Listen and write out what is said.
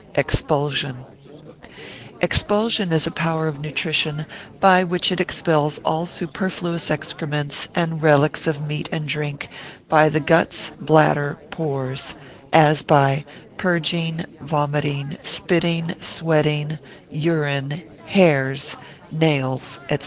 Expulsion.] Expulsion is a power of nutrition, by which it expels all superfluous excrements, and relics of meat and drink, by the guts, bladder, pores; as by purging, vomiting, spitting, sweating, urine, hairs, nails, &c.